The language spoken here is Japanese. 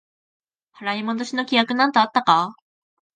払い戻しの規約なんてあったか？